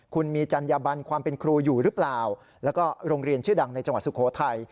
คุณมีจัญญบันความเป็นครูอยู่หรือเปล่าแล้วก็โรงเรียนชื่อดังในจังหวัดสุโขทัย